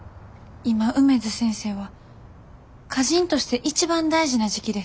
今梅津先生は歌人として一番大事な時期です。